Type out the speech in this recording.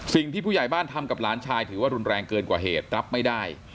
สิ่งที่ผู้ใหญ่บ้านทำกับหลานชายถือว่ารุนแรงเกินกว่าเหตุรับไม่ได้